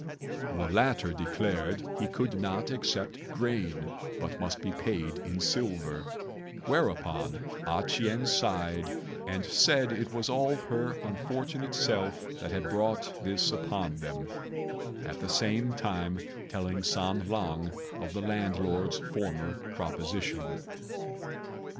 The latter declared he could not accept grain, but must be paid in silver; whereupon A ch'ien sighed and said it was all her unfortunate self that had brought this upon them, at the same time telling San lang of the landlord's former proposition.